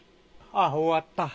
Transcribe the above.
あっ、終わった。